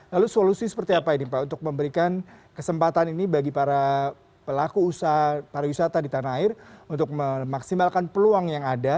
lalu solusi seperti apa ini pak untuk memberikan kesempatan ini bagi para pelaku usaha pariwisata di tanah air untuk memaksimalkan peluang yang ada